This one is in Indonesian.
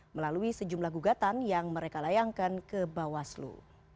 melalui sejumlah gugatan yang mereka layankan ke bawah slu